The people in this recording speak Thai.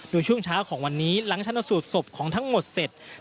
โดยช่วงเช้าของวันนี้หลังชนสูตรศพของทั้งหมดเสร็จ